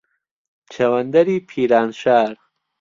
چەوەندەری پیرانشار